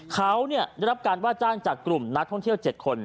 เขาได้รับการว่าจ้างจากกลุ่มนักท่องเที่ยว๗คน